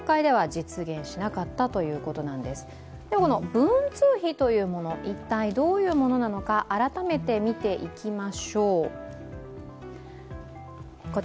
文通費というもの、一体どういうものなのか改めて見ていきましょう。